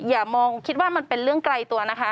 อย่ามองคิดว่ามันเป็นเรื่องไกลตัวนะคะ